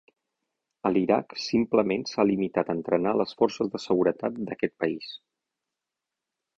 A l'Iraq, simplement s'ha limitat a entrenar a les forces de seguretat d'aquest país.